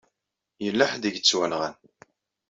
Yella ḥedd i yettwanɣan.